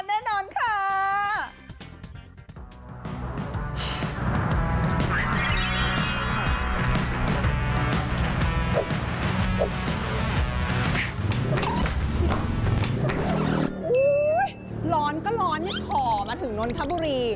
อุ้ยร้อนก็ร้อนเนี่ยข่อมาถึงน้นทะบุรี